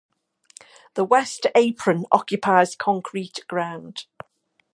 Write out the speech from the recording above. The west apron occupies concrete ground.